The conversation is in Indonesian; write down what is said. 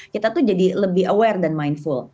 kita tuh jadi lebih aware dan mindful